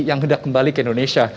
yang hendak kembali ke indonesia